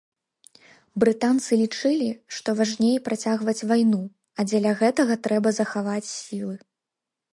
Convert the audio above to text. Брытанцы лічылі, што важней працягваць вайну, а дзеля гэтага трэба захаваць сілы.